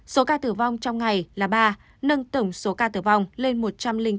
số ca tử vong trong ngày là ba nâng tổng số ca tử vong lên một mươi năm